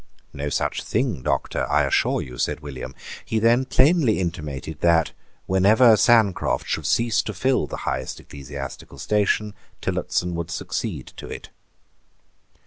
"No such thing, Doctor, I assure you," said William. He then plainly intimated that, whenever Sancroft should cease to fill the highest ecclesiastical station, Tillotson would succeed to it.